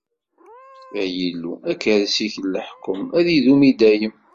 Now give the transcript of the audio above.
Ay Illu, akersi-k n leḥkwem ad idum i dayem.